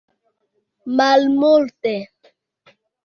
Malmulte